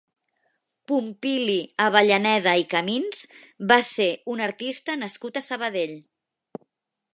Pompili Avellaneda i Camins va ser un artista nascut a Sabadell.